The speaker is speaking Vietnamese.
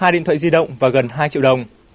hai điện thoại di động và gần hai triệu đồng